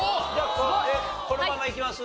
このままいきます？